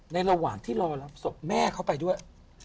ระหว่างที่รอรับศพแม่เขาไปด้วย